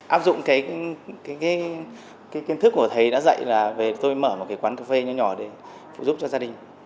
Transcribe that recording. áp dụng kiến thức của thầy đã dạy là tôi mở một quán cà phê nhỏ nhỏ để phục giúp cho gia đình